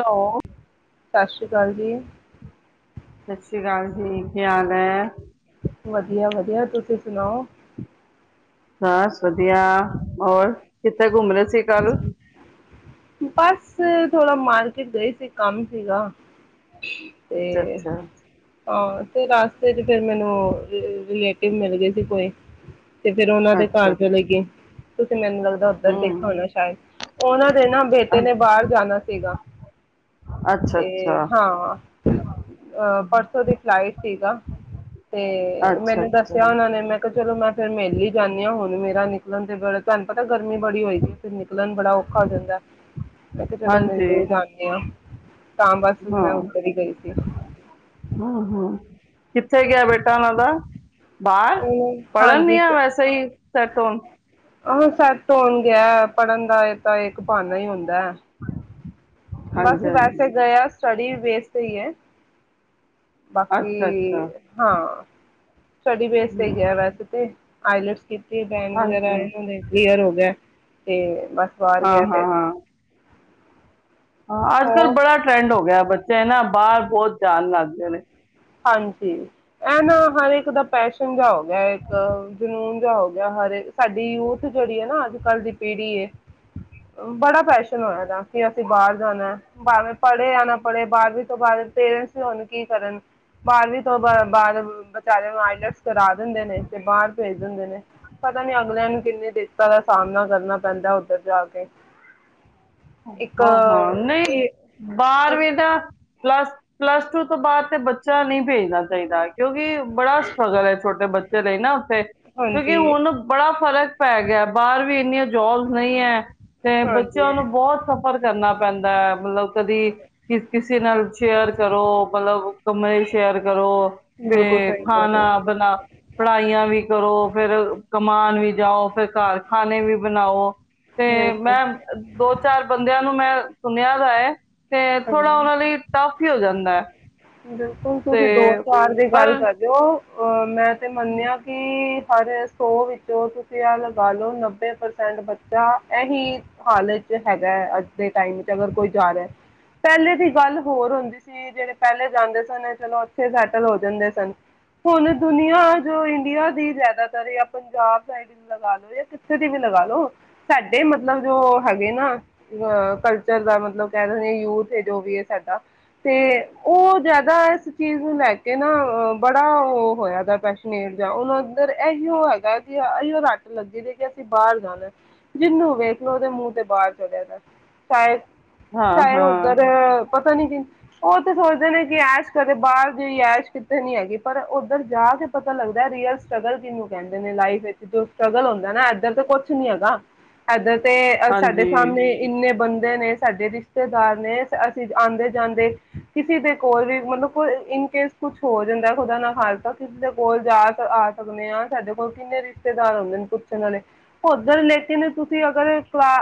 Hello ਸਤਿ ਸ੍ਰੀ ਅਕਾਲ ਜੀ ਸਤਿ ਸ੍ਰੀ ਅਕਾਲ ਜੀ, ਕੀ ਹਾਲ ਹੈ ਵਧੀਆ-ਵਧੀਆ, ਤੁਸੀਂ ਸੁਣਾਓ ਖਾਸ ਵਧੀਆ ਔਰ ਕਿੱਥੇ ਘੁੰਮਰੇ ਸ ਸ਼੍ਰੀ ਕਾਲ ਬਸ ਥੋੜਾ ਮਾਰਕੀਟ ਗਈ ਸੀ, ਕੰਮ ਸੀਗਾ [inaudible] ਅੱਛਾ ਹਾਂ ਤੇ ਰਾਸਤੇ ਚ ਫੇਰ ਮੈਨੂੰ ਰਿਲੇਟਿਵ ਮਿਲ ਗਏ ਸੀ ਕੋਈ ਤੇ ਫੇਿਰ ਉਹਨਾਂ ਦੇ ਅੱਛਾ ਅੱਛਾ ਘਰ ਚਲੇ ਗਏ ਤੁਸੀਂ ਮੈਨੂੰ ਲੱਗਦਾ ਉੱਧਰ ਹਮ ਦੇਖਯਾ ਹੋਣਾ ਉਹਨਾਂ ਨਾ ਬੇਟੇ ਨੇ ਬਾਹਰ ਜਾਣਾ ਸੀਗਾ, ਅੱਛਾ ਅੱਛਾ ਤੇ ਅੱਛਾ ਹਾਂ ਅਹ ਪਰਸੋਂ ਦੀ ਫਲਾਈਟ ਸੀਗਾ ਤੇ ਅੱਛਾ ਮੈਨੂੰ ਅੱਛਾ ਦੱਸਿਆ ਉਹਨਾਂ ਨੇ ਮੈਂ ਕਿਹਾ ਚਲੋ ਮੈਂ ਫਿਰ ਮੇਲ ਈ ਜਾਂਦੀ ਹਾਂ ਹੁਣ ਮੇਰਾ ਨਿਕਲਣ ਤੇ ਬ ਤੁਹਾਨੂੰ ਪਤਾ ਗਰਮੀ ਬੜੀ ਹੋਏਦੀ ਏ ਫਿਰ ਨਿਕਲਣ ਬੜਾ ਔਖਾ ਹੋ ਜਾਂਦੈ, ਮੈਂ ਕਿਹਾ ਚਲੋ ਹਾਂਜੀ ਮਿਲਦੇ ਹੀ ਜਾਂਦੇ ਹਾਂ, ਤਾਂ ਬਸ ਹਾਂ ਮੈਂ ਉੱਧਰ ਹੀ ਗਈ ਸੀ [inaudible] ਹਮ ਹਮ ਕਿੱਥੇ ਗਿਆ ਬੇਟਾ ਉਹਨਾਂ ਦਾ ਬਾਹਰ, ਉਹ ਪੜ੍ਹਨ ਹਾਂਜੀ ਯਾ ਵੈਸੇ ਹੀ ਸੈਟ ਹੋਣ ਆਹੋ ਸੈੱਟ ਹੋਣ ਗਿਆ, ਪੜ੍ਹਨ ਦਾ ਇਹ ਤਾਂ ਇਕ ਬਹਾਨਾ ਹੀ ਹੁੰਦਾ [inaudible] ਹਾਂਜੀ ਬਸ ਵੈਸੇ ਹਾਂਜੀ ਗਯਾ ਸਟਡੀ ਬੇਸ ਤੇ ਹੀ ਹੈ ਬਾਕੀ ਅੱਛਾ ਅੱਛਾ ਹਾਂ ਸਟਡੀ ਫੇਸ ਤੇ ਹਮ, ਗਿਆ ਵੈਸੇ ਤੇ। ਆਈਲੈਟਸ ਕੀਤੀ ਬੈਂਡ ਹਾਂਜੀ ਵਗੈਰਾ ਆਏ ਨੇ ਉਹਨਾਂ ਦੇ ਕਲੀਅਰ ਹੋ ਗਿਆ। ਤੇ ਬਸ ਬਾਹਰ ਹਾਂ, ਗਿਆ ਹਾਂ, ਫਿਰ ਹਾਂ। ਹਾਂ, ਅੱਜ ਕੱਲ੍ਹ ਹੋਰ ਬੜਾ ਟਰੈਂਡ ਹੋ ਗਿਆ ਬਸ ਇਹ ਨਾ ਬਾਹਰ ਬਹੁਤ ਜਾਣ ਲੱਗਦੇ ਨੇ। ਹਾਂਜੀ, ਇਹ ਨਾ ਹਰ ਇੱਕ ਦਾ ਪੈਸ਼ਨ ਜਿਹਾ ਹੋ ਗਿਆ, ਇੱਕ ਜਨੂੰਨ ਜਿਹਾ ਹੋ ਗਿਆ, ਹਰੇ ਸਾਡੀ ਯੂਥ ਜਿਹੜੀ ਹੈ ਨਾ ਅੱਜ ਕੱਲ੍ਹ ਦੀ ਪੀੜ੍ਹੀ ਬੜਾ ਪੈਸ਼ਨ ਹੋਇਆ ਦਾ ਕਿ ਅਸੀਂ ਬਾਹਰ ਜਾਣਾ ਭਾਵੇਂ ਪੜੇ ਯਾ ਨਾ ਬੜ੍ਹੇ ਬਾਰਵੀਂ ਤੋਂ ਬਾਅਦ ਪੇਰੈਂਟਸ ਹੀ ਹੁਣ ਕੀ ਕਰਨ ਬਾਰਵੀਂ ਤੋਂ ਬ ਬਾਅਦ ਬ ਵਿਚਾਰਿਆਂ ਨੂੰ ਆਈਲੈਟਸ ਕਰਾ ਦਿੰਦੇ ਨੇ ਤੇ ਬਾਹਰ ਭੇਜ ਦਿੰਦੇ ਨੇ ਪਤਾ ਨੀ ਅਗਲਿਆਂ ਨੂੰ ਕਿੰਨੀ ਦਿੱਕਤਾਂ ਦਾ ਸਾਹਮਣਾ ਕਰਨਾ ਪੈਂਦਾ ਉੱਧਰ ਜਾ ਕੇ। ਇੱਕ ਹਾਂ, ਹਾਂ ਨਹੀਂ ਇਹ ਬਾਰਵੀਂ ਇੱਕ- ਦਾ ਪਲੱਸ, ਪਲੱਸ ਟੂ ਤੋਂ ਬਾਅਦ ਤੇ ਬੱਚਾ ਨਹੀਂ ਭੇਜਣਾ ਚਾਹੀਦਾ ਕਿਉਂਕਿ ਬੜਾ ਸਟ੍ਰਗਲ ਹੈ ਛੋਟੇ ਬੱਚੇ ਚਲੇ ਨਾ ਤੇ ਕਿਉਂਕਿ ਹਾਂਜੀ ਹੁਣ ਬੜਾ ਫ਼ਰਕ ਪੈ ਗਿਆ ਬਾਹਰ ਵੀ ਇੰਨੀਆਂ ਜੋਬਸ ਨਹੀਂ ਹੈ। ਤੇ ਬੱਚਿਆਂ ਹਾਂਜੀ ਨੂੰ ਬਹੁਤ ਸਫ਼ਰ ਕਰਨਾ ਪੈਂਦਾ ਹੈ, ਮਤਲਬ ਕਦੀ ਕਿਸੇ ਨਾਲ ਸ਼ੇਅਰ ਕਰੋ ਮਤਲਬ ਕਮਰੇ ਸ਼ੇਅਰ ਕਰੋ ਤੇ ਬਿਲਕੁਲ ਸਹੀ ਕਹਿ ਰਹੇ ਖਾਣਾ ਹੋ ਬਣਾ ਪੜ੍ਹਾਈਆਂ ਵੀ ਕਰੋ ਫਿਰ ਕਮਾਨ ਵੀ ਜਾਓ, ਫਿਰ ਘਰ ਖਾਣੇ ਵੀ ਬਣਾਓ। ਤੇ ਮੈਂ ਬਿਲਕੁਲ ਦੋ ਚਾਰ ਬੰਦਿਆਂ ਨੂੰ ਮੈਂ ਸੁਣਿਆ ਦਾ ਹੈ ਤੇ ਥੋੜ੍ਹਾ ਉਹਨਾਂ ਲਈ ਟਫ ਹੀ ਹੋ ਜਾਂਦਾ ਹੈ। ਬਿਲਕੁਲ ਤੇ ਤੁਸੀਂ ਦੋ ਚਾਰ ਦੀ ਪਰ ਗੱਲ ਕਰਦੇ ਹੋ। ਔਰ ਮੈਂ ਤੇ ਮੰਨਿਆ ਕਿ ਅਰੇ ਸੋ ਵਿੱਚੋਂ ਤੁਸੀਂ ਆਹ ਲਗਾ ਲਓ ਨੱਬੇ ਪ੍ਰਸੈਂਟ ਬੱਚੇ ਤਾਂ ਇਹੀ ਹਾਲ ਚ ਹੈਗਾ ਹੈ, ਅੱਜ ਦੇ ਟਾਈਮ ਵਿੱਚ ਅਗਰ ਕੋਈ ਜਾ ਰਿਹਾ ਪਹਿਲੇ ਦੀ ਗੱਲ ਹੋਰ ਹੁੰਦੀ ਸੀ, ਜਿਹੜੇ ਪਹਿਲੇ ਜਾਂਦੇ ਸਨ ਚਲੋ ਉੱਥੇ ਸੈਟਲ ਹੋ ਜਾਂਦੇ ਸਨ, ਹੁਣ ਦੁਨੀਆਂ ਜੋ ਇੰਡੀਆ ਦੀ ਜ਼ਿਆਦਾਤਰ ਜਾਂ ਪੰਜਾਬ ਸਾਈਡ ਲਗਾ ਲਓ ਜਾਂ ਕਿੱਥੇ ਦੀ ਵੀ ਲਗਾ ਲਓ ਸਾਡੇ ਮਤਲਬ ਜੋ ਹੈਗੇ ਨਾ ਅ ਕਲਚਰ ਦਾ ਮਤਲਬ ਕਹਿ ਦਿੰਦੇ ਯੂਥ ਹੈ, ਜੋ ਵੀ ਹੈ ਸਾਡਾ ਤੇ ਉਹ ਜ਼ਿਆਦਾ ਇਸ ਚੀਜ਼ ਨੂੰ ਲੈ ਕੇ ਨਾ ਬੜਾ ਉਹ ਹੋਇਆ ਦਾ ਪੈਸ਼ਨਨੇਟ ਜਾਂ ਉਹਨਾਂ ਅੰਦਰ ਇਹੀਓ ਹੈਗਾ ਕਿ ਇਓ ਰੱਟ ਲੱਗੀ ਕਿ ਅਸੀਂ ਬਾਹਰ ਜਾਣਾ। ਜਿਹਨੂੰ ਵੇਖ ਲੋ ਉਹਦੇ ਮੂੰਹ ਤੇ ਬਾਹਰ ਚਲਿਆ ਦਾ ਸ਼ਾਇਦ ਹਾਂ ਚਾਹੇ ਹਾਂ ਉਧਰ ਪਤਾ ਨੀ ਕਿ ਉਹ ਤਾਂ ਸੋਚਦੇ ਨੇ ਕਿ ਐਸ਼ ਕਰੇ ਬਾਹਰ ਜਿਹੀ ਐਸ਼ ਕਿੱਥੇ ਨੀ ਹੈਗੀ ਪਰ ਉੱਧਰ ਜਾ ਕੇ ਪਤਾ ਪਤਾ ਲੱਗਦਾ ਰੀਅਲ ਸਟਰਗਲ ਕਿਹਨੂੰ ਕਹਿੰਦੇ ਨੇ ਲਾਈਫ ਵਿੱਚ ਜੋ ਸਟਰ੍ਰਗਲ ਹੁੰਦਾ ਏਨਾ, ਇੱਧਰ ਤੇ ਕੁਛ- ਕੁਛ ਨੀ ਹੇਗਾ---ਏਧਰ। ਤੇ ਆ ਸਾਡੇ ਹਾਂਜੀ ਸਾਹਮਣੇ ਇੰਨੇ ਬੰਦੇ- ਨੇ ਸਾਡੇ ਰਿਸ਼ਤੇਦਾਰ ਨੇ। ਅਸੀਂ ਆਉਂਦੇ ਜਾਂਦੇ ਕਿਸੇ ਦੇ ਕੋਲ ਵੀ। ਮਤਲਬ ਇਨਕੇਸ ਕੁਛ ਹੋ ਜਾਂਦਾ ਖੁਦਾ ਨਾ ਖਾਸਤਾ ਤਾਂ ਕਿਸੇ ਦੇ ਕੋਲ ਜਾ ਆ ਸਕਦੇ ਹਾਂ। ਸਾਡੇ ਕੋਲ ਕਿੰਨੇ ਰਿਸ਼ਤੇਦਾਰ ਹੁੰਦੇ ਨੇ ਪੁੱਛਣ ਵਾਲੇ। ਉਧਰ ਲੇਕਿਨ ਤੁਸੀਂ ਅਗਰ ਕਲਾ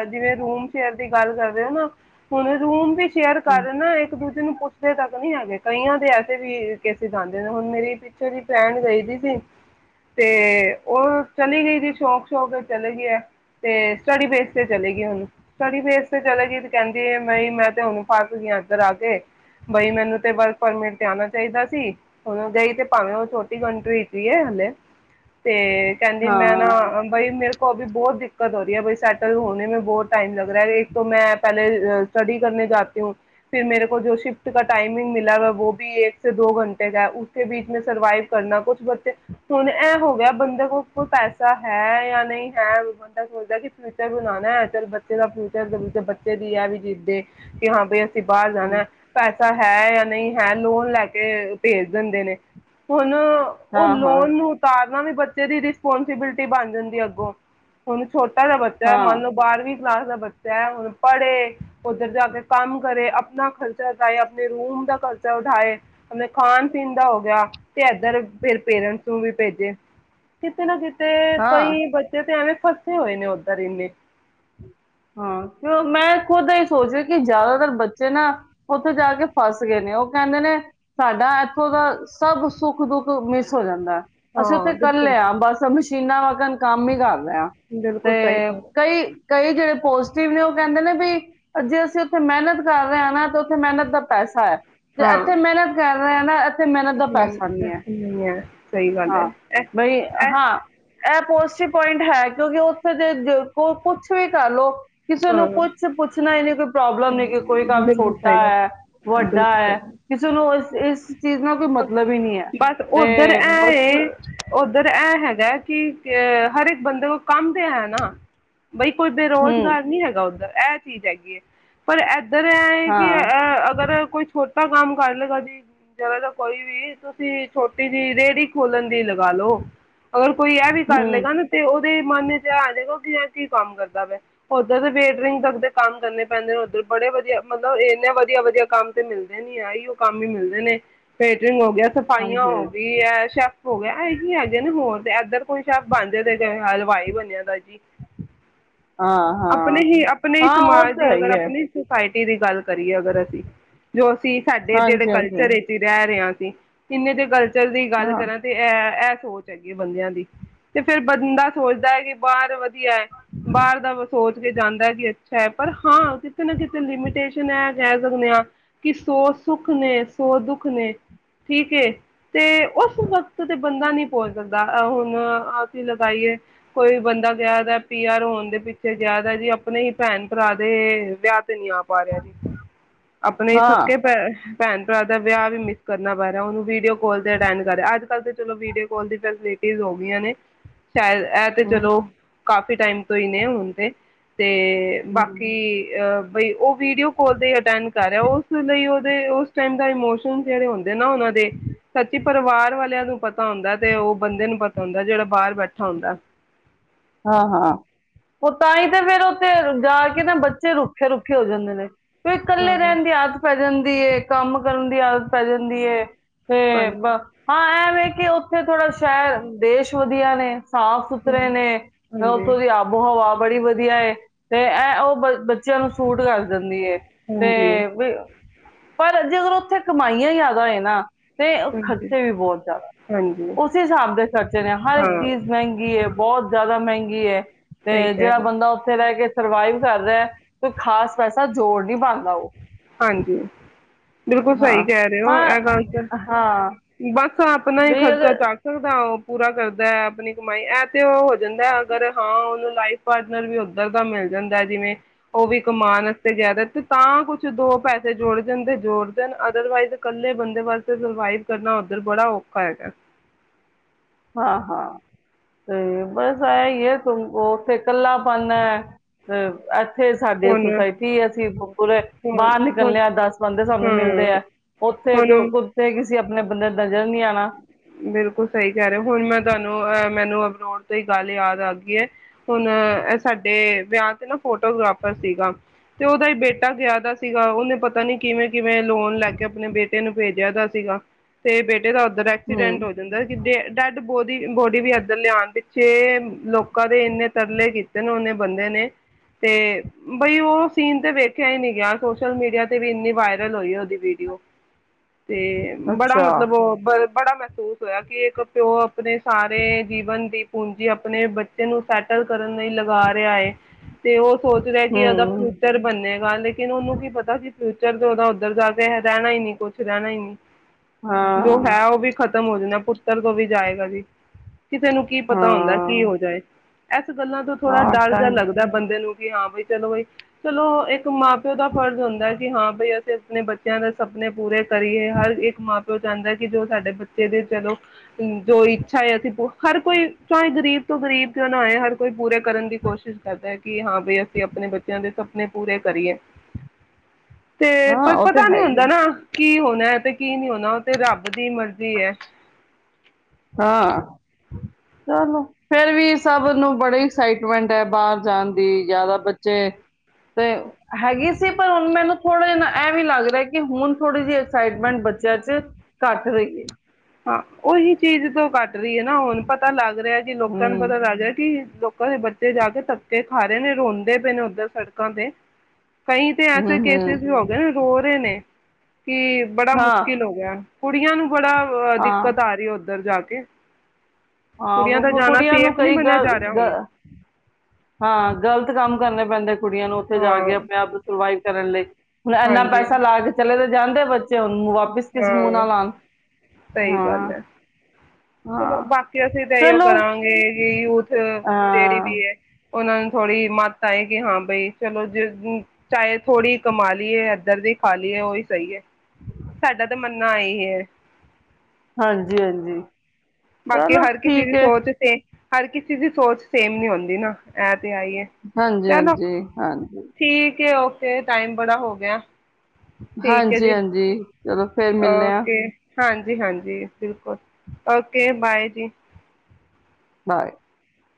ਅ ਜਿਵੇਂ ਰੂਮ ਸ਼ੇਅਰ ਦੀ ਗੱਲ ਕਰਦੇ ਹੋ ਨਾ। ਹੁਣ ਰੂਮ ਵਿੱਚ- ਸ਼ੇਅਰ ਹਮ, ਕਰਨ ਇੱਕ- ਦੂਜੇ ਨੂੰ ਪੁੱਛਦੇ ਤੱਕ- ਨਈ ਆਗੇ ਕਈਆਂ ਦੇ ਐਸੇ ਵੀ ਕੇਸਿਸ ਆਂਦੇ ਨੇ। ਹੁਣ ਮੇਰੀ ਪਿਛੇ ਹੀ ਭੈਣ ਗਈ ਦੀ ਸੀ। ਤੇ, ਉਹ ਚਲੀ ਗਈ ਸੀ ਸ਼ੌਕ- ਕਿੳਕਿ ਚਲੇ ਗਈ ਏ ਤੇ ਸਟੱਡੀ ਬੇਸ ਤੇ ਚਲੇ ਗਈ ਹੁਣ। ਸਟੱਡੀ ਬੇਸ ਤੇ ਚਲੇ ਗਈ ਤੇ ਕਹਿੰਦੀ ਬਈ ਮੈਂ ਤੇ ਹੁਣ ਫੱਸ ਗਈ ਇੱਧਰ ਆ ਕੇ। ਬਈ ਮੈਨੂੰ ਤੇ ਵਰਕ ਪਰਮਿਟ ਤੇ ਆਉਣਾ ਚਾਹੀਦਾ ਸੀ। ਹੁਣ ਗਈ ਤੇ ਭਾਵੇਂ ਉਹ ਛੋਟੀ ਕੰਟਰੀ ਚ ਹੀ ਹੈ ਹਲੇ। ਤੇ ਕਹਿੰਦੀ ਹਾਂ ਮੈਂ ਨਾ ਹਾਂ ਅਮ ਮੇਰੇ ਕੋ ਅਭੀ ਬਹੁਤ ਦਿੱਕਤ ਹੋ ਰਹੀ ਹੈ। ਬਾਈ ਸੈਟਲ ਹੋਣੇ ਮ ਬਹੁਤ ਟਾਈਮ ਲਗ ਰਹਾ ਏ। ਏਕ ਤੋ ਮੈਂ ਪਹਿਲੇ ਸਟੱਡੀ ਕਰਨੇ ਜਾਤੀ ਹੂੰ। ਫਿਰ ਮੇਰੇ ਕੋਲ ਜੋ ਸ਼ਿਫਟ ਕ ਟਾਈਮ- [unintelligible] ਦੋ ਘੰਟੇ ਕਾ ਏ ਉਸ ਬੀਚ ਮੇ ਸਰਵਾਈਵ ਕਰਨਾ। ਕੁਛ ਬੱਚੇ ਹੁਣ ਐ ਹੋ ਗਿਆ ਬੰਦੇੇ ਕੋ ਪੈਸਾ ਹੈ- ਹੈ ਜਾਂ ਨਹੀਂ ਹੈ ਬੰਦਾ ਸੋਚਦਾ ਕਿ ਫਿਊਚਰ ਬਣਾਣਾ ਏ। ਚੱਲ ਬੱਚੇ ਦਾ ਫਿਊਚਰ ਬੱਚੇ ਦੀ ਇਹ ਵੀ ਜਿੱਦ ਏ। ਕਿ ਹਾਂ ਬਈ ਅ- ਕਿ ਬਾਹਰ ਹਮ, ਜਾਣਾ, ਪੈਸਾ ਹੈ- ਹੈ ਜਾਂ ਨਹੀਂ ਹੈ ਲੋਨ ਲੈ ਕੇ ਭੇਜ ਦਿੰਦੇ ਨੇ। ਹੁਣ- ਹੁਣ ਹਾਂ ਉਹ ਹਾਂ ਲੋਨ ਨੂੰ ਉਤਾਰ- ਤਾਂ ਵੀ ਬੱਚੇ ਦੀ ਰਿਸਪੋਂਸੀਬਿਲਟੀ ਟੀ ਬਣ ਜਾਂਦੀ ਅੱਗੋਂ। ਹੁਣ ਛੋਟਾ ਜਿਹਾ ਬੱਚਾ ਹੈ' ਹਾਂ ਮਨ ਲੋ ਬਾਰਵੀਂ ਵੀ ਕਲਾਸ ਦਾ ਬੱਚਾ ਹੈ। ਹੁਣ ਪੜ੍ਹੇ, ਉੱਧਰ ਜਾ ਕੇ ਕੰਮ ਕਰੇ, ਆਪਣਾ ਖਰਚਾ ਉਠਾਏ, ਆਪਣੇ ਰੂਮ ਦਾ ਖਰਚਾ ਉਠਾਏ, ਆਪਣੇ ਖਾਣ- ਪੀਣ ਦਾ ਹੋ ਗਿਆ। ਤੇ ਏਧਰ ਫਿਰ ਪੇਰੈਂਟਸ ਨੂੰ ਵੀ ਭੇਜੇ। ਕਿਤੇ ਨਾ ਕਿਤ ਤੇ, ਹਾਂ ਕੋਈ ਬੱਚੇ ਤੇ ਐਵੇਂ- ਫਸੇ ਹੋਏ ਨੇ ਉੱਧਰ ਇੰਨੇ। ਹਾਂ, ਕਿ ਮੈਂ ਖੁਦ ਇਹ ਸੋਚ ਰਹੀ, ਕਿ ਜ਼ਿਆਦਾਤਰ ਬੱਚੇ ਨਾ ਉੱਥੇ ਜਾ ਕੇ ਫਸ ਗਏ ਨੇ। ਉਹ ਕਹਿੰਦੇ ਨੇ ਸਾਡਾ ਇੱਥੋਂ ਦਾ ਸਭ ਸੁੱਖ- ਦੁੱਖ ਮਿਸ ਹੋ ਜਾਂਦਾ। ਅੱਸੀਂ ਉੱਥੇ ਹਾਂ ਘਰ ਬਿਲਕੁਲ ਲਿਆ ਬਸ ਹਮਸ਼। ਚੀਨਾ ਵਖਨ ਕੰਮ ਈ ਕਰ ਰੇ ਆਂ ਤੇ ਬਿਲਕੁਲ ਸਹੀ ਗੱਲ ਹੈ। ਕਈ ਕਈ ਜੇੜੇ ਪੋਜ਼ਟਿਵ ਨੇ ਔ ਕੈੰਦੇ ਨੇ ਬਈ, ਜੇ ਅਸੀਂ ਉੱਥੇ ਮੇਹਨਤ ਕਰ ਰੇ ਆਂ ਨਾ ਤੇ ਔਥੇ ਮੇਹਨਤ ਦਾ ਪੈਸਾ ਐ। ਤੇ ਹਾਂ ਐਥੇ ਮੇਹਨਤ ਕੈਰ ਰੈ ਨਾ ਐਥੇ ਮੇਹਨਤ ਇਹ ਦਾ ਤਾਂ ਪੈਸਾ ਨੀ ਹੈ ਮੈਨੂੰ ਨਹੀਂ ਹੈ ਸਹੀ ਗੱਲ ਹਾਂ, ਹੈ ਬਈ ਇਹ ਇਹ ਹਾਂ। ਐ ਪੋਜ਼ਟਿਵ ਪੋਇੰਟ ਹੈ। ਕਿਉਂਕਿ ਔਥੇ ਤੇ ਜ ਕੋ ਕੁਛ ਕੁਛ ਵੀ ਕਰ ਲੋ। ਕਿਸੇ ਨੂੰ ਹਾਂ ਕੁਛ ਪੁੱਛਣਾ ਈ ਨ੍ਹੀਂ ਕਿ ਕੋਈ ਪ੍ਰੋਬਲਮ ਨੀ ਕਿ ਕੋਈ ਕੰਮ ਬਿਲਕੁਲ ਛੋਟਾ ਸਹੀ ਗੱਲ ਐ ਹਾਂ, ਵੱਡਾ ਬਿਲਕੁਲ ਐ, ਸਹੀ ਕਿਸੇ ਨੂੰ ਏਸ ਇਸ ਚੀਜ਼ ਨਾਲ ਕੋਈ ਗੱਲ ਮਤਲਬ ਹੀ ਨ੍ਹੀਂ ਹੈ। ਬਸ ਉਧਰ ਤੇ ਬਸ ਗੈ ਕਿ ਕ ਹਰ ਇੱਕ ਬੰਦੇ ਕੋ ਕੰਮ ਤੇ ਹੈ ਨਾ, ਬਈ ਕੋਈ ਬੇਰੋਜ਼ ਹੂੰ ਸੁਧਾਰ ਨੀ ਹੈਗਾ ਉਦਾਰ ਇਹ ਚੀਜ਼ ਹੈਗੀ ਹੈ ਪਰ ਇਦ ਇਧਰ ਹੈ, ਹੈ ਕਿ ਹਾਂ ਅਗਰ ਕੋਈ ਛੋਟ ਆਪਾਂ ਕੰਮ ਕਰ ਲਗਾ ਜੀ ਜਿਨਾ ਦਾ ਕੋਈ ਵੀ ਤੁਸੀਂ ਛੋਟੀ ਜਿਹੀ ਰੇਹੜੀ ਖੋਲਣ ਦੀ ਲ ਗਾ ਲਓ, ਅਗਰ ਕੋਈ ਇਹ ਵੀ ਕਰ ਹੂੰ ਲਏਗਾ, ਨਾ ਤੇ ਉਹਦੇ ਮਨ ਚ ਆ ਜਾਏਗਾ ਕਿ ਇਹ ਕੀ ਕੰਮ ਕਰਦਾ ਮੈਂ ਉੱਧਰ ਦੇ ਵੇਟਿੰਗ ਤੱਕ ਦੇ ਕੰਮ ਕਰਨੇ ਪੈਂਦੇ ਨੇ ਉੱਧਰ ਬੜੇ ਵਧੀਆ ਮਤਲਬ ਇੰਨੇ ਵਧੀਆ-ਵਧੀਆ ਕੰਮ ਤੇ ਮਿਲਦੇ ਨੀ ਆਈ ਉਹ ਕੰਮ ਹੀ ਮਿਲਦੇ ਨੇ ਫੇ ਹੋ ਗਿਆ ਸਫਾਈਆਂ ਹਾਂਜੀ ਹੋ ਗਈ ਹੈ, ਸ਼ੈੱਫ ਹੋ ਗਿਆ ਇਹੀ ਹੈਗੇ ਨੇ ਹੋਰ ਤੇ ਏਧਰ ਕੋਈ ਸ਼ੈਫ ਬਣਦੇ ਤੇ ਹਲਵਾਈ ਬਣਿਆ ਦਾ ਜੀ। ਹਾਂ ਆਪਣੇ ਹਾਂ ਹੀ ਆਪਣੇ ਹੀ ਹਾਂ ਉਹ ਸਮਾਜ ਤਾਂ ਦੀ ਹੈ ਅਗਰ ਹੀ ਹੈ ਆਪਣੇ ਟੀ ਦੀ ਗੱਲ ਕਰੀਏ ਅਗਰ ਅਸੀਂ ਜੋ ਅਸੀਂ ਸਾਡੇ ਜਿਹੜੇ ਹਾਂਜੀ ਹਾਂਜੀ ਕਲਚਰ ਵਿੱਚ ਹੀ ਰਹਿ ਰਹੇ ਹਾਂ। ਕਿੰਨੇ ਦੇ ਗਲ ਦੀ ਗੱਲ ਹਾਂ ਕਰਾਂ ਤੇ ਐ ਐ ਸੋਚ ਹੈਗੀ ਹੈ, ਬੰਦਿਆਂ ਦੀ ਤੇ ਫੇਰ ਬੰਦਾ ਸੋਚਦਾ ਹੈ ਕਿ ਬਾਹਰ ਧ ਬਾਹਰ ਦਾ ਬ ਸੋਚ ਕੇ ਜਾਂਦਾ ਕਿ ਅੱਛਾ ਹੈ, ਪਰ ਹਾਂ ਕਿਤੇ ਨਾ ਕਿਤੇ ਲਿਮੀਟੇਸ਼ਨ ਹੈ। ਕਹਿ ਸਕਦੇ ਹਾਂ, ਕਿ ਸੌ ਸੁੱਖ ਨੇ ਸੌ ਦੁੱਖ ਨੇ ਠੀਕ ਐ ਉਸ ਵਕਤ ਤੇ ਬੰਦਾ ਨਹੀਂ ਪੋਚ ਸਕਦਾ, ਹੁਣ ਅਸੀਂ ਲਗਾਈਏ ਕੋਈ ਬੰਦਾ ਪਿਆ ਵਾ ਪੀ ਆਰ ਹੋਣ ਦੇ ਪਿੱਛੇ ਜ਼ਿਆਦਾ ਜੀ ਆਪਣੇ ਹੀ ਭੈਣ ਭਰਾ ਦੇ ਵਿਆਹ ਨੀ ਆ ਪਾ ਰਿਹਾ ਜੀ ਆਪਣੇ ਹਾਂ ਸੱਕੇ ਭੈ ਭੈਣ ਭਰਾ ਦਾ ਵਿਆਹ ਵੀ ਮਿਸ ਕਰਨਾ ਪੈ ਰਿਹਾ ਉਹਨੂੰ ਵੀਡੀਓ ਕਾਲ ਤੇ ਅਟੈਂਡ ਕਰ ਰਿਹਾ ਅਜ ਕੱਲ ਦੇ, ਚਲੋ, ਵੀਡੀਓ ਕਾਲ ਦੀ ਫੈਸਿਲਿਟੀ ਹੋ ਗਿਆਂ ਨੇ, ਸ਼ਾਇਦ ਇਹ ਤੇ ਹਮ, ਚਲੋ ਕਾਫ਼ੀ ਟਾਈਮ ਤੋਂ ਹੀ ਨੇ ਹੁਣ ਤੇ ਬਾਕੀ ਹਮ, ਅ ਬਈ ਉਹ ਵੀਡੀਓ ਕਾਲ ਤੇ ਅਟੈਂਡ ਕਰ ਰਿਹਾ ਉਸ ਲਈ ਉਹ ਉਸ ਟੈਮ ਦਾ ਇਮੋਸ਼ਨ ਜਿਹੜੇ ਹੁੰਦੇ ਨਾ ਉਹਨਾਂ ਦੇ ਸੱਚੀ ਪਰਿਵਾਰ ਵਾਲਿਆਂ ਨੂੰ ਪਤਾ ਹੁੰਦਾ ਤੇ ਉਹ ਬੰਦੇ ਨੂੰ ਪਤਾ ਹੁੰਦਾ ਜਿਹੜਾ ਬਾਹਰ ਬੈਠਾ ਹੁੰਦਾ। ਹਾਂ-ਹਾਂ, ਉਹ ਤਾਂ ਹੀ ਤੇ ਫੇਰ ਉੱਥੇ ਜਾ ਕੇ ਨਾ ਬੱਚੇ ਰੁੱਖੇ-ਰੁੱਖੇ ਹੋ ਜਾਂਦੇ ਨੇ। ਫਿਰ ਹਾਂ ਇਕੱਲੇ ਰਹਿਣ ਦੀ ਆਦਤ ਪੈ ਜਾਂਦੀ। ਏ ਕੰਮ ਕਰਨ ਦੀ ਆਦਤ ਪੈ ਜਾਂਦੀ ਹੈਂ। ਤੇ ਹਾਂਜੀ ਹਾਂ ਐਵੇਂ ਕਿ ਇੱਥੇ ਥੋੜਾ ਸ਼ਹਿਰ ਦੇਸ਼ ਵਧੀਆ ਨੇ, ਸਾਫ ਸੁਥਰੇ ਨੇ, ਮੈਂ ਹਾਂਜੀ ਉੱਥੋਂ ਦੀ ਆਬੋ ਹਵਾ ਬੜੀ ਵਧੀਆ, ਤੇ ਇਹ ਉਹ ਬ ਬੱਚਿਆਂ ਨੂੰ ਸੂਟ ਕਰ ਦਿੱ ਹੁੰਦੀ, ਹਾਂਜੀ ਤੇ ਪਰ, ਜੇ ਅਗਰ, ਉੱਥੇ ਕਮਾਈਆਂ ਜ਼ਿਆਦਾ ਹੋਏ ਨਾ। ਤੇ ਹਾਂਜੀ ਖਰਚੇ ਵੀ ਬਹੁਤ ਜ਼ਿਆਦਾ। ਹਾਂਜੀ ਉਸ ਹਿਸਾਬ ਦੇ ਖਰਚੇ ਨੇ, ਹਰ ਇੱਕ ਹਾਂ ਚੀਜ਼ ਮਹਿੰਗੀ ਹੈ ਬਹੁਤ। ਜ਼ਿਆਦਾ ਮਹਿੰਗੀ ਹੈ। ਸਹੀ ਤੇ ਕਹਿ ਜਿਹੜਾ ਰਹੇ ਬੰਦਾ ਉੱਥੇ ਰਹਿ ਕੇ ਸਰਵਾਈਵ ਕਰ ਰਿਹਾ, ਤੇ ਖਾਸ ਪੈਸਾ ਜੋੜ ਨਹੀਂ ਬਣਂਦਾ ਉਹ। ਹਾਂਜੀ। ਬਿਲਕੁਲ ਹਾਂ ਸਹੀ ਕਹਿ ਰਹੇ ਹੋ। ਹਾਂ ਇਹ ਗੱਲ ਤੇ ਹਾਂ ਬਸ। ਆਪਣਾ ਹੀ ਬਈ ਖਰਚਾ ਅਗਰ ਚੱਕ ਸਕਦਾ ਉਹ ਪੂਰਾ ਕਰ ਆਪਣੀ ਕਮਾਈ ਇਹ ਤੇ ਉਹ ਹੋ ਜਾਂਦਾ। ਅਗਰ ਹਾਂ, ਉਹਨੂੰ ਲਾਈਫ ਪਾਰਟਨਰ ਵੀ ਉੱਧਰ ਦਾ ਮਿਲ ਜਾਂਦਾ, ਜਿਵੇਂ ਉਹ ਵੀ ਕਮਾਉਣ ਵਾਸਤੇ ਗਿਆਦਾ ਤੇ ਤਾਂ ਕੁਛ ਦੋ ਪੈਸੇ ਜੋੁੜ ਜਾਣ, ਤੇ ਜੋੜਦੇਣ। ਅਦਰਵਾਈਜ਼ ਇਕੱਲੇ ਬੰਦੇ ਵਾਸਤੇ ਸਰਵਾਈਵ ਕਰਨਾ ਉੱਧਰ ਬੜਾ ਔਖਾ ਹੈਗਾ। ਹਾਂ, ਹਾਂ, ਤੇ ਬਸ ਆ ਹੀ ਹੈ। ਉੱਥੇ ਕੱਲਾ ਪਨ ਐ। ਤੇ ਇਥੇ ਸਾਡੀ ਹੁਣ ਸੁਸਾਇਟੀ ਐ, ਅਸੀਂ ਪੂਰੇ ਹੁਣ ਬਾਹਰ ਹੁਣ ਨਿਕਲਣੇ ਹਾਂ, ਦਸ ਬੰਦੇ ਸਾਨੂੰ ਮਿਲਦੇ ਹਾਂ ਹੈ। ਉੱਥੇ ਹੁਣ ਕੁੱਥੇ ਕਿਸੀ ਆਪਣੇ ਬੰਦਾ ਨਜ਼ਰ ਨੀ ਆਣਾ। ਬਿਲਕੁਲ। ਸਹੀ ਕਹਿ ਰਹੇ। ਹੁਣ ਮੈਂ ਤੁਹਾਨੂੰ ਅਹ ਮੈਨੂੰ ਬਣਾਉਣ ਤੇ ਹੀ ਗੱਲ ਯਾਦ ਆ ਗਈ ਹੈ। ਹੁਣ, ਇਹ ਸਾਡੇ ਵਿਆਹ ਤੇ ਨਾ ਫੋਟੋਗ੍ਰਾਫਰ ਸੀਗਾ, ਤੇ ਉਹਦਾ ਹੀ ਬੇਟਾ ਗਿਆ ਦਾ ਸੀਗਾ, ਉਹਨੇ ਪਤਾ ਨੀ ਕਿਵੇਂ- ਕਿਵੇਂ ਲੋਨ ਲੈ ਕੇ ਆਪਣੇ ਬੇਟੇ ਨੂੰ ਭੇਜਿਆ ਦਾ ਸੀਗਾ, ਤੇ ਬੇਟੇ ਦਾ ਉੱਦਰਰ ਐਕਸੀਡੈਂਟ ਹੂੰ ਹੋ ਜਾਂਦਾ, ਕਿ ਡੈਡ ਬੋਦੀ ਬੋਡੀ ਵੀ ਇੱਦਰਰ ਲਿਆਉਣ ਪਿੱਛੇ ਲੋਕ ਲੋਕਾਂ ਦੇ ਇੰਨੇ ਤਰਲੇ ਕੀਤੇ ਨੇ ਉਹਨੇ ਬੰਦੇ ਨੇ ਤੇ ਬਈ, ਉਹ ਸੀਨ ਤੇ ਵੇਖਿਆ ਹੀ ਨਹੀਂ ਗਿਆ। ਸੋਸ਼ਲ ਮੀਡੀਆ ਤੇ ਵੀ ਇੰਨੀ ਵਾਇਰਲ ਹੋਈ ਉਹਦੀ ਵੀਡੀਓ। ਤੇ ਬੜਾ ਅੱਛਾ ਮਤਲਬ ਬੜਾ ਮਹਿਸੂਸ ਹੋਇਆ, ਕਿ ਇੱਕ ਪਿਓ ਆਪਣੇ ਸਾਰੇ ਜੀਵਨ ਦੀ ਪੁਂਜ ਜੀ ਆਪਣੇ ਬੱਚੇ ਨੂੰ ਸੈਟਲ ਕਰਨ ਲਈ ਲ ਗਾ ਰਿਹਾ ਹੈ, ਤੇ ਉਹ ਸੋਚ ਰਿਹਾ ਕਿ ਉਹਦਾ ਹੂੰ ਫਿਊਚਰ ਬਨੇਗਾ। ਲੇਕਿਨ ਉਹਨੂੰ ਕੀ ਪਤਾ ਕੀ ਫਿ ਰਹਿਣਾ ਹੀ ਨਹੀਂ ਕੁਝ ਰਹਿਣਾ ਹੀ ਨਹੀਂ ਹਾਂ ਖਤਮ ਹੋ ਜਾਣਾ। ਪੁੱਤਰ ਤੋਂ ਵੀ ਜਾਏਗਾ ਜੀ। ਕਿਸੇ ਨੂੰ ਕੀ ਪਤਾ ਹੁੰਦਾ, ਕੀ ਹਾਂ ਹੋ ਜਾਏ। ਇਸ ਗੱਲਾਂ ਤੋਂ ਥੋੜ੍ਹਾ ਆਹ ਡਰ ਤਾਂ ਜਿਹਾ ਲੱਗਦਾ ਬੰਦੇ ਨੂੰ ਹਾਂ ਬਾਈ ਚਲੋ ਬਾਈ ਚਲੋ ਇੱਕ ਇੱਕ ਮਾਂ ਪਿਓ ਦਾ ਫਰਜ਼ ਹੁੰਦਾ ਕਿ ਹਾਂ ਬਈ ਅਂ ਆਪਣੇ ਬੱਚਿਆਂ ਦਾ ਸਪਨੇ ਪੂਰੇ ਕਰੀਏ ਹਰ ਇੱਕ ਮਾਂ ਪਿਓ ਚਾਹੁੰਦਾ ਹੈ ਕਿ ਜੋ ਸਾਡੇ ਇਹਦੇ ਚਲੋ ਜੋ ਇੱਛਾ ਏ ਅਸੀ, ਹਰ ਕੋਈ ਚਾਹੇ ਗਰੀਬ ਤੋਂ ਗਰੀਬ ਕਿਉ ਨਾ ਆਏ ਹਰ ਕੋਈ ਪੂਰੇ ਕਰਨ ਦੀ ਕੋਸ਼ਿਸ਼ ਕਰਦਾ। ਕਿ ਹਾਂ ਬਈ ਅਸੀਂ ਆਪਣੇ ਬੱਚਿਆਂ ਦੇ ਸਭ ਆਪਣੇ ਪੂਰੇ ਕਰੀਏ। ਤੇ ਹਾਂ ਪਰ ਉਹ ਤੇ ਪਤਾ ਨੀ ਹੈ ਹੀ ਹੁੰਦਾ ਹੈ ਨਾ, ਕੀ ਹੋਣਾ ਤੇ ਕੀ ਨਹੀਂ ਹੋਣਾ, ਉਹ ਤੇ ਰੱਬ ਦੀ ਮਰਜ਼ ਹੁੰਦੀ ਹੈ, ਹਾਂ ਚੱਲੋ ਫੇਰ ਵੀ ਸਭ ਨੂੰ ਬੜੀ ਐਕਸਾਈਟਮੈਂਟ ਹੈ, ਬਾਹਰ ਜਾਣ ਦੀ ਜ਼ਿਆਦਾ ਬੱਚੇ ਤੇ ਹੈਗੀ ਸੀ, ਪਰ ਹੁਣ ਮੈਨੂੰ ਥੋੜ੍ਹਾ ਜਿਹਾ ਨਾ ਇਹ ਵੀ ਲੱਗ ਰਿਹਾ, ਕਿ ਹੁਣ ਥੋੜ੍ਹੀ ਜਿਹੀ ਐਕਸਾਈਟਮੈਂਟ ਬੱਚਿਆਂ ਚ ਘੱਟ ਰਹੀ ਹੈ। ਹਾਂ, ਉਹੀ ਚੀਜ਼ ਤੋਂ ਘੱਟ ਰਹੀ ਹੈ ਨਾ ਹੁਣ ਪਤਾ ਲੱਗ ਰਿਹਾ ਜੀ ਲੋਕਾਂ ਨੂੰ ਹੂੰ ਪਤਾ ਲੱਗ ਰਿਹਾ ਕੀ ਲੋਕਾਂ ਦੇ ਬੱਚੇ ਜਾ ਕੇ ਧੱਕੇ ਖਾ ਰਹੇ ਨੇ ਰੋਂਦੇ ਪਏ ਨੇ ਉੱਧਰ ਸੜਕਾਂ ਤੇ ਕਈ ਤੇ ਹੂੰ ਐਸੇ ਹੂੰ ਕੇਸਿਸ ਵੀ ਹੋ ਗਏ ਨੇ ਰੋ ਰਹੇ ਨੇ, ਕੀ ਬੜਾ ਹਾਂ ਮੁਸ਼ਕਿਲ ਹੋ ਗਿਆ। ਕੁੜੀਆਂ ਨੂੰ ਬੜਾ ਹਾਂ ਦਿੱਕਤ ਆ ਰਹੀ ਹੈ, ਉੱਧਰ ਜਾ ਕੇ [unintelligible] ਕੁੜੀਆਂ ਦਾ ਹਾਂ ਜਾਣਾ ਕੁੜੀਆਂ ਨੂੰ ਸੇਫ ਨਹੀਂ ਕਈ ਮੰਨਿਆ ਗੱਲ ਜਾ ਰਿਹਾ ਦ ਹੁਣ ਹਾਂ, ਗ਼ਲਤ ਕੰਮ ਕਰਨੇ ਪੈਂਦੇ। ਕੁੜੀਆਂ ਨੂੰ ਉੱਥੇ ਜਾ ਕੇ ਹਾਂ ਆਪਣੇ ਆਪ ਨੂੰ ਸਰਵਾਈਵ ਕਰਨ ਲਈ, ਹੁਣ ਇੰਨਾ ਹਾਂਜੀ ਪੈਸਾ ਲਾ ਕੇ ਚਲੇ ਤਾ ਜਾਂਦੇ ਬੱਚੇ ਹੁ ਵਾਪਿਸ ਕਿਸ ਮੂੰਹ ਹਾਂ ਨਾਲ ਆਣ ਸਹੀ ਗੱਲ ਹਾਂ। ਹੈ ਚਲੋ ਹਾਂ ਬਾਕੀ ਅਸੀਂ ਤਾਂ ਇਉਔ ਚਲੋ ਕਰਾਂਗੇ ਕਿ ਯੂਥ ਜਿਹੜੀ ਹਾਂ ਵੀ ਹੈ। ਉਹਨਾਂ ਨੂੰ ਥੋੜ੍ਹੀ ਮੱਤ ਆਏ, ਕਿ ਹਾਂ ਬਈ ਚਲੋ ਜ ਚਾਹੇ ਥੋੜ੍ਹੀ ਕਮਾ ਲਈਏ ਇੱਧਰ ਦੀ ਖਾ ਲਈਏ ਉਹੀ ਸਹੀ ਹੈ ਸਾਡਾ ਤਾਂ ਮਨ ਨਹੀਂ ਹੈ। ਹਾਂਜੀ-ਹਾਂਜੀ, ਬਾਕੀ ਹਰ ਕਿਸੇ ਦੀ ਸੋਚ ਸ ਹਰ ਕਿਸੇ ਦੀ ਸੋਚ ਸੇਮ ਨੀ ਹੁੰਦੀ ਨਾ ਐ। ਆਈਏ ਹਾਂਜੀ ਚਲੋ ਹਾਂਜੀ ਹਾਂਜੀ ਠੀਕ ਹੈ ਓਕੇ, ਤੇ ਟਾਈਮ ਬੜਾ ਹੋ ਗਿਆ। ਠੀਕ ਹੈ ਜੀ ਹਾਂਜੀ-ਹਾਂਜੀ। ਚਲੋ ਫੇਰ ਮਿਲਣੇ ਆ। ਓਕੇ ਹਾਂਜੀ ਹਾਂਜੀ, ਬਿਲਕੁਲ ਓਕੇ, ਬਾਏ ਜੀ। ਬਾਏ।